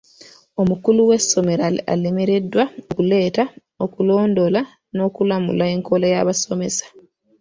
Omukulu w'essomero alemereddwa okuleeta, okulondoola n'okulamula enkola y'abasomesa.